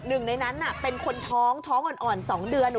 หนึ่งในนั้นเป็นคนท้องท้องอ่อน๒เดือน